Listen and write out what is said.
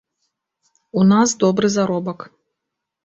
У нас добры заробак.